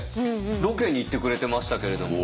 ロケに行ってくれてましたけれども。